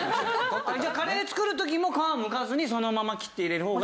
じゃあカレー作る時も皮はむかずにそのまま切って入れる方が？